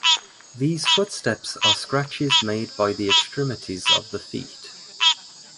These footsteps are scratches made by the extremities of the feet.